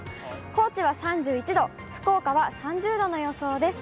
高知は３１度、福岡は３０度の予想です。